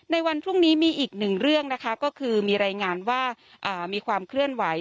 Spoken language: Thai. ในวันพรุ่งนี้มีอีกหนึ่งเรื่องนะคะก็คือมีรายงานว่ามีความเคลื่อนไหว